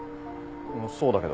そうだけど。